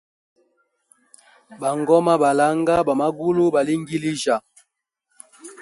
Bangoma balanga, ba magulu balingilijya.